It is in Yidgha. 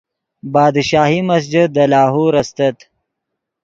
بادشاہی مسجد دے لاہور استت